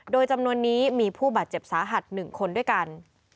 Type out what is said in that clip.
โดยจำนวนนี้มีผู้บาดเจ็บสาหัส๑คนด้วยกัน